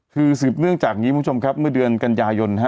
คือสืบเนื่องจากนี้คุณผู้ชมครับเมื่อเดือนกันยายนฮะ